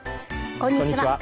こんにちは。